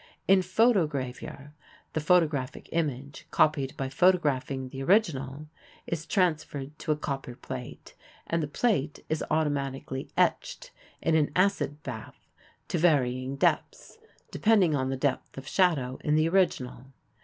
In photo gravure the photographic image copied by photographing the original is transferred to a copper plate and the plate is automatically etched in an acid bath to varying depths, depending on the depth of shadow in the original.